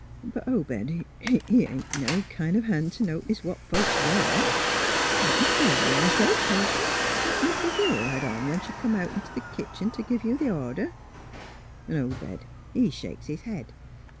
But Obed he ain't no kind of hand t' notice what folks wear. * Can't you tell me! ' I sez, patient, ' what Mis' Hill had on when she come out in th' kitchen t' giv* you th' order? ' 'N' Obed, he shakes his head.